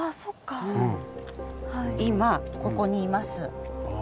今ここにいます。